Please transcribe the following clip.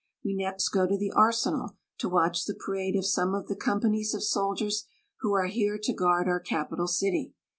We next go to the arsenal to watch the parade of some of the companies of soldiers who are here to guard our capital city.